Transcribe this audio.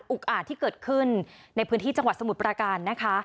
อาจที่เกิดขึ้นในพื้นที่จังหวัดสมุทรประการนะคะ